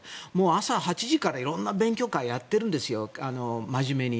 朝８時から色んな勉強会をやっているんですよ、真面目に。